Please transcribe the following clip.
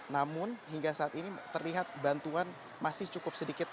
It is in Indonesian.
namun hingga saat ini terlihat bantuan masih cukup sedikit